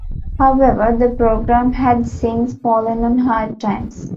However, the program had since fallen on hard times.